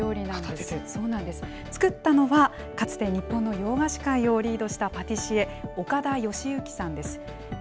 そうなんです、作ったのは、かつて日本の洋菓子界をリードしたパティシエ、岡田吉之さんです。